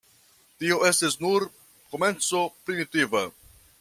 Tio estis nur komenco primitiva.